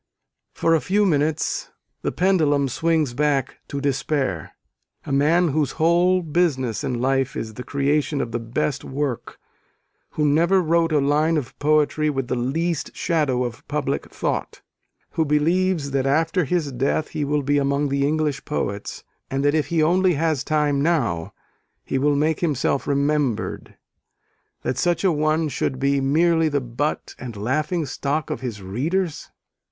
'" For a few minutes the pendulum swings back to despair. A man whose whole business in life is the creation of the best work, who "never wrote a line of poetry with the least shadow of public thought," who believes that after his death he will be among the English poets, and that if he only has time now, he will make himself remembered that such a one should be merely the butt and laughing stock of his readers!